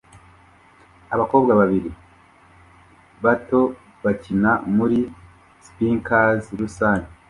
Abakobwa babiri bato bakina muri spinkers rusange